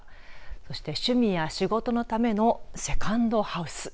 そして趣味や仕事のためのセカンドハウス。